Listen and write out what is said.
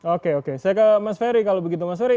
oke oke saya ke mas ferry kalau begitu mas ferry